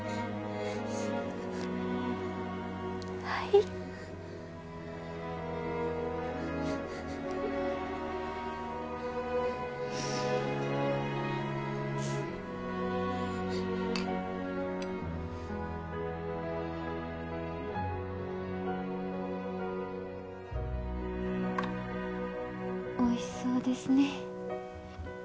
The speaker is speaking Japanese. はいおいしそうですね